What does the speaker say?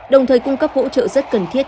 đồng thời cung cấp hỗ trợ rất cần thiết